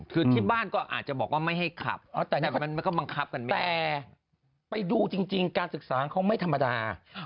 คือที่บ้านก็อาจจะบอกว่าไม่ให้ขับแต่ไปดูจริงการศึกษาเขาไม่ธรรมดา